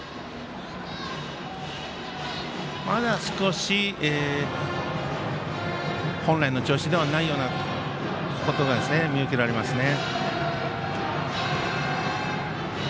まだ少し本来の調子ではないようなことが見受けられますね。